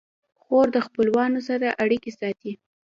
خور د خپلوانو سره اړیکې ساتي.